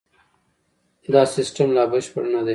دا سیستم لا بشپړ نه دی.